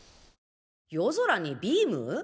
夜空にビーム？